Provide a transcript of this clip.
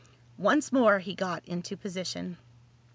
Once more he got into position.